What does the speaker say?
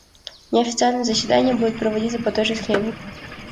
Неофициальные заседания будут проводиться по той же схеме.